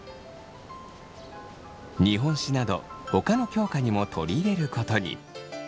日本史などほかの教科にも取り入れることに。